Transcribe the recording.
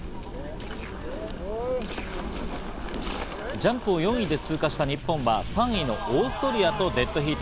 ジャンプを４位で通過した日本は３位のオーストリアとデッドヒート。